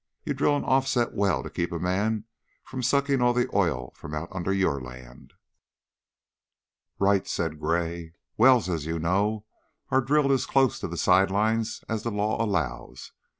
You drill an offset well to keep a man from sucking all the oil out from under your land." "Right!" said Gray. "Wells, as you know, are drilled as close to the side lines as the law allows.